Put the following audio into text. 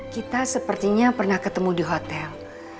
kita sepertinya pernah ketemu di hotel